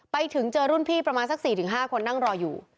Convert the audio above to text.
ไปถึงเจอรุ่นพี่ประมาณสัก๔๕คนนั่งรออยู่